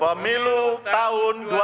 pemilu tahun dua ribu sembilan belas